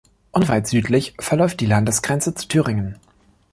Unweit südlich verläuft die Landesgrenze zu Thüringen.